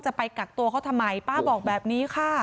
ไปกักตัวเขาทำไมป้าบอกแบบนี้ค่ะ